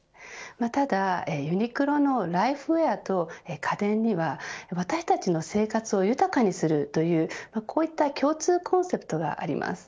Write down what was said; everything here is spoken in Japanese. ただ、ユニクロのライフウェアと家電には私たちの生活を豊かにするというこういった共通コンセプトがあります。